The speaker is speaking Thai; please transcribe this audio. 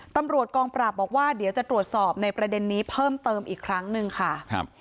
ตำรวจกองปราบบอกว่าเดี๋ยวจะตรวจสอบในประเด็นนี้เพิ่มเติมอีกครั้งหนึ่งค่ะครับ